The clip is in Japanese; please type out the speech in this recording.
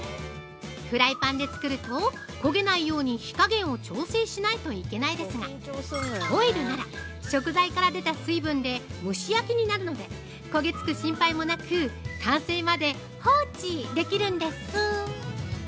フライパンで作ると焦げないように火加減を調整しないといけないですがホイルなら食材から出た水分で蒸し焼きになるので焦げつく心配もなく完成まで放置できるんです。